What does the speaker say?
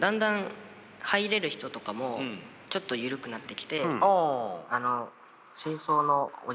だんだん入れる人とかもちょっと緩くなってきて清掃のおじさんとか。